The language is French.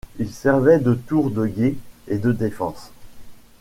Il servait de tour de guet et de défense.